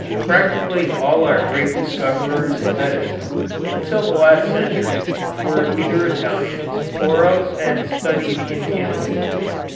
Practically all our great discoverers in medicine, until the last century, were either Italians, or else had studied in Italy.